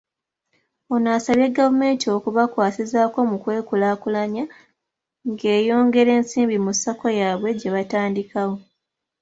Ono asabye gavumenti okubakwasizaako mu kwekulaakulanya ng'eyongera ensimbi mu Sacco yaabwe gye baatandikawo.